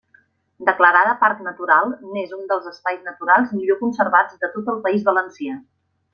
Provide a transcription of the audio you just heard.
Declarada parc natural, n'és un dels espais naturals millor conservats de tot el País Valencià.